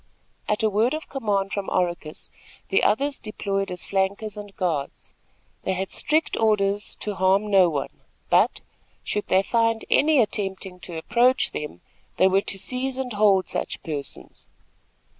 At a word of command from Oracus the others deployed as flankers and guards. They had strict orders to harm no one; but, should they find any attempting to approach them, they were to seize and hold such persons.